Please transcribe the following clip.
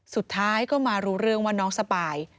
สุดท้ายก็มารู้เรื่องว่าน้องสปาย